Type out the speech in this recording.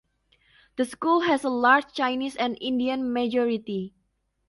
The school has a large Chinese and Indian majority.